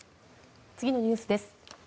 次のニュースです。